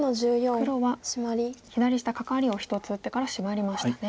黒は左下カカリを１つ打ってからシマりましたね。